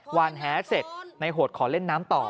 หวานแหเสร็จในโหดขอเล่นน้ำต่อ